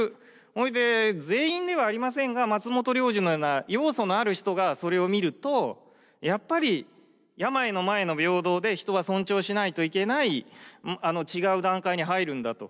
それで全員ではありませんが松本良順のような要素のある人がそれを見るとやっぱり病の前の平等で人は尊重しないといけない違う段階に入るんだと。